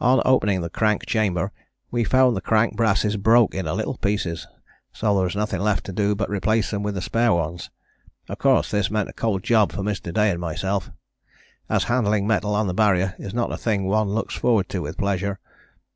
On opening the crank chamber we found the crank brasses broke into little pieces, so there is nothing left to do but replace them with the spare ones; of course this meant a cold job for Mr. Day and myself, as handling metal on the Barrier is not a thing one looks forward to with pleasure.